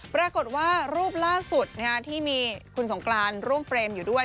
ปรากฏว่ารูปล่าสุดที่มีคุณสงกรานร่วมเฟรมอยู่ด้วย